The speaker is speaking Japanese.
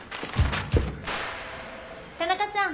田中さん。